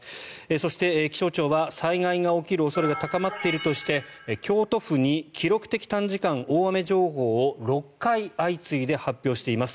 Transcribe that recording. そして、気象庁は災害が起きる恐れが高まっているとして京都府に記録的短時間大雨情報を６回相次いで発表しています。